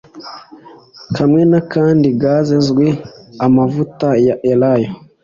Kamwe n akandi gas zwe amavuta ya elayo